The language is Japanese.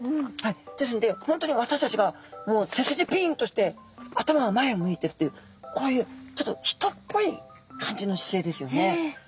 ですので本当に私たちがもう背筋ピンとして頭は前を向いてるというこういうちょっと人っぽい感じの姿勢ですよね。